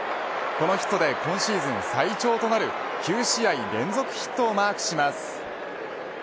このヒットで今シーズン最長となる９試合連続ヒットをマークします。